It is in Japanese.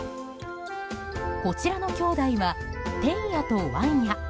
こちらのきょうだいは「てんや」と「わんや」。